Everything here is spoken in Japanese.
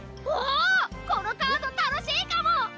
おぉこのカード楽しいかも！